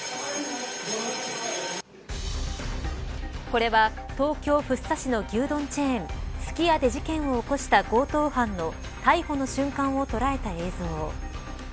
これは東京福生市の牛丼チェーンすき家で事件を起こした強盗犯の逮捕の瞬間を捉えた映像。